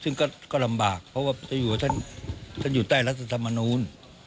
ซึ่งก็ลำบากเพราะว่าท่านอยู่ใต้รัฐสมนุน